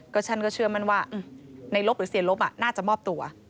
ก็ฉันก็เชื่อมั่นว่าในลบหรือเสียลบน่าจะมอบตัว